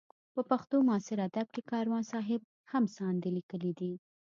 په پښتو معاصر ادب کې کاروان صاحب هم ساندې لیکلې دي.